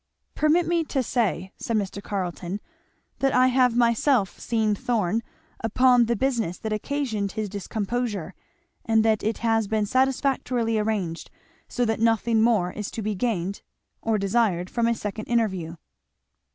"Permit me to say," said Mr. Carleton, "that I have myself seen Thorn upon the business that occasioned his discomposure, and that it has been satisfactorily arranged; so that nothing more is to be gained or desired from a second interview."